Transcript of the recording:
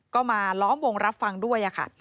ก็มาล้อมวงรับฟังด้วยค่ะ